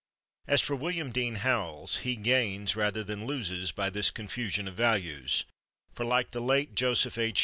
As for William Dean Howells, he gains rather than loses by this confusion of values, for, like the late Joseph H.